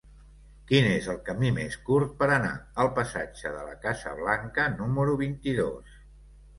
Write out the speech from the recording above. Quin és el camí més curt per anar al passatge de la Casa Blanca número vint-i-dos?